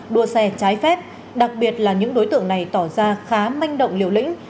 đua xe trái phép đặc biệt là những đối tượng này tỏ ra khá manh động liều lĩnh